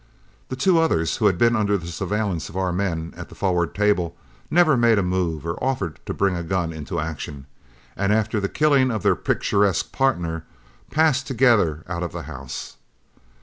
The two others, who had been under the surveillance of our men at the forward table, never made a move or offered to bring a gun into action, and after the killing of their picturesque pardner passed together out of the house.